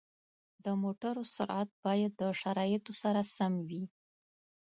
د موټرو سرعت باید د شرایطو سره سم وي.